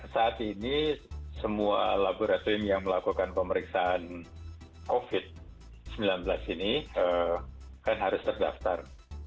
saat ini semua laboratorium yang melakukan pemeriksaan covid sembilan belas ini kan harus terdaftar